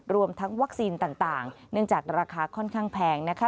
รวมทั้งวัคซีนต่างเนื่องจากราคาค่อนข้างแพงนะคะ